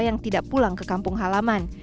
yang tidak pulang ke kampung halaman